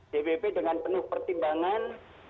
dpp dengan penuh pertimbangan